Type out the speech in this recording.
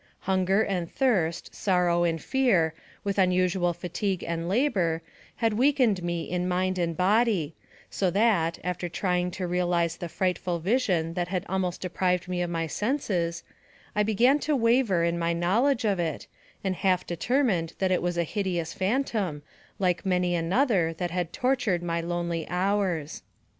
Hunger and thirst, sorrow and fear, with unusual fatigue and labor, had weakened me in mind and body, so that, after trying to realize the frightful vision that had almost deprived me of my senses, I began to waver in my knowledge of it, and half determined that it was a hideous phantom, like many another that had tortured my lonely hours.